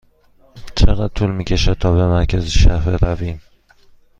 چقدر طول می کشد تا به مرکز شهر برویم؟